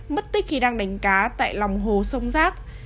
mất tích khi đang đánh cá tại lòng hồ sông rác